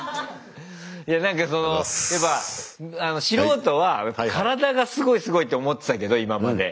いやなんかそのやっぱ素人は体がすごいすごいって思ってたけど今まで。